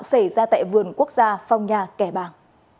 xảy ra tại vườn quốc gia phong nha kẻ bàng